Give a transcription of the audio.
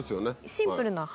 シンプルな。